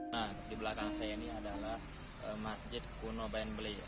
nah di belakang saya ini adalah masjid kuno bandbli